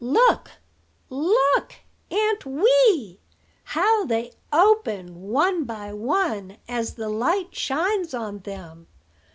"Look, look, Aunt Wee! how they open, one by one, as the light shines on them!